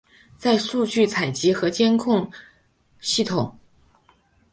在数据采集与监视控制系统。